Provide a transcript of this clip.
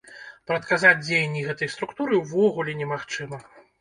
Прадказаць дзеянні гэтай структуры ўвогуле немагчыма.